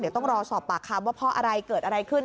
เดี๋ยวต้องรอสอบปากคำว่าเพราะอะไรเกิดอะไรขึ้น